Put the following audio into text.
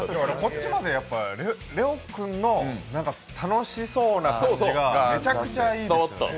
ＬＥＯ君の楽しそうな感じがめちゃくちゃいいですね。